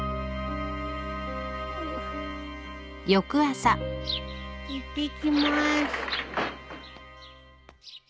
いってきまーす。